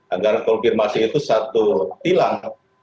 agar konfirmasi itu satu tilang